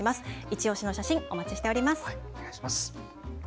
いちオシの写真、お待ちしております。